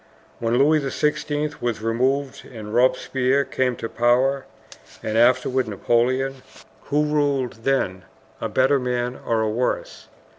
When Louis XVI. was removed and Robespierre came to power, and afterward Napoleon who ruled then, a better man or a worse?